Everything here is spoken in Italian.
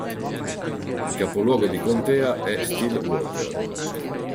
Il capoluogo di contea è Stillwater